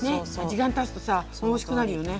時間たつとさおいしくなるよね。